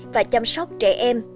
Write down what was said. và chăm sóc trẻ em